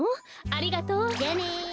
ありがとう。じゃあね。